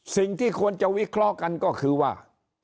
สิ่งที่ควรจะวิเคราะห์กันก็คือว่า